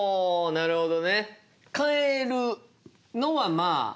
なるほど。